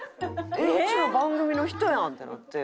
うちの番組の人やんってなって。